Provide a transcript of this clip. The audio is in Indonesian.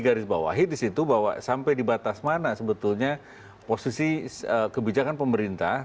garis bawahi di situ bahwa sampai di batas mana sebetulnya posisi kebijakan pemerintah